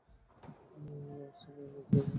আর্সলান, ভিতরে যা।